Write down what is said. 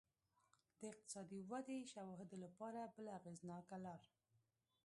د اقتصادي ودې شواهدو لپاره بله اغېزناکه لار